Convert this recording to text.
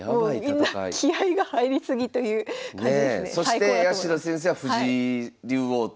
そして八代先生は藤井竜王と。